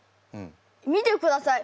見てください。